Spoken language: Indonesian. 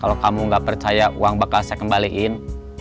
kalau kamu gak percaya uang bakal saya kembaliin